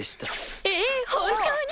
ええ本当に！